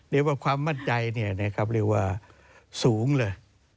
เรียกว่าความมั่นใจเนี่ยนะครับเรียกว่าสูงเลย